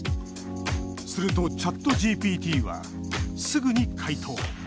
すると、ＣｈａｔＧＰＴはすぐに回答。